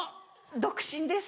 独身です。